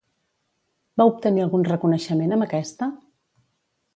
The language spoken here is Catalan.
Va obtenir algun reconeixement amb aquesta?